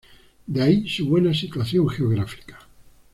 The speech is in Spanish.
De ahí su buena situación geográfica.